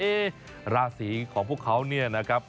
ราศีของพวกเขาเนี่ยนะครับ